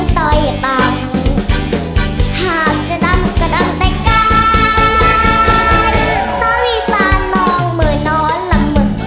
ซายหญิงสานน้องเมื่อนอนลับเมือง